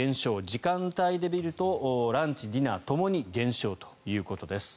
時間帯で見るとランチ、ディナーともに減少ということです。